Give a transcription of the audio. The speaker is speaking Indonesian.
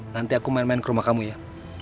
nanti aku main main ke rumah kamu ya